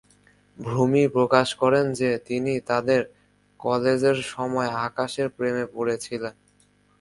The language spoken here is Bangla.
ভুমি প্রকাশ করেন যে, তিনি তাদের কলেজের সময় আকাশ-এর প্রেমে পড়েছিলেন।